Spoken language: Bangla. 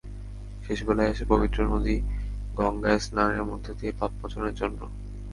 শেষ বেলায় এসে পবিত্র নদী গঙ্গায় স্নানের মধ্য দিয়ে পাপমোচনের জন্য।